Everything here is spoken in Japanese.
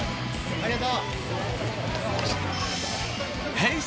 ありがとう。